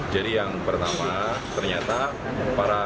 jadi yang pertama ternyata